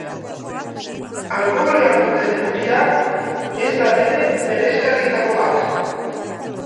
Alkoholean duten edukia, ez da bere bereizgarrietako bat.